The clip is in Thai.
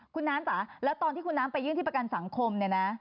คุณน้ำจ๋าแล้วตอนที่คุณน้ำไปยื่นที่ประกันสังคมเนี่ยนะ